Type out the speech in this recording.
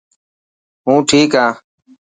هون ٺيڪ هان.